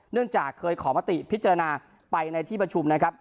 เนื่องจากเคยขอมติพิจารณาไปในที่ประชุมนะครับ